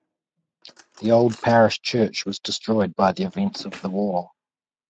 The old Parish Church was destroyed by the events of the war.